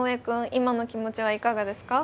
今の気持ちはいかがですか。